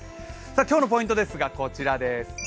今日のポイントですが、こちらです。